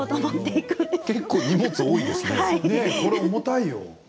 これ重たいよ。